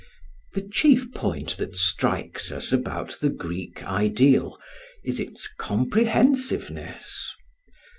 The chief point that strikes us about the Greek ideal is its comprehensiveness.